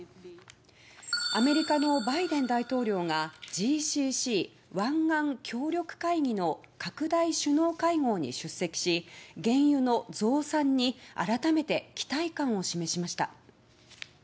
アメリカのバイデン大統領がＧＣＣ・湾岸協力会議の拡大首脳会合に出席し原油の増産に改めて期待感を示しました。